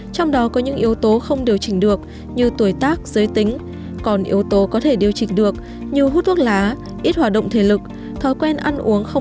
cũng là những yếu tố khiến bệnh tiến triển